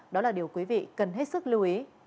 đó là điều quý vị cần hết sức lưu ý